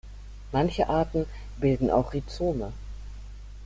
Manche Arten bilden auch Rhizome.